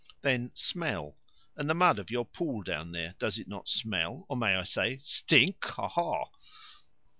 "Then 'smell.' And the mud of your Pool down there does it not smell, or may I say 'stink, ha, ha'?"